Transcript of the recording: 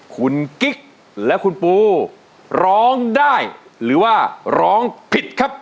คุณกิ๊กและคุณปูร้องได้หรือว่าร้องผิดครับ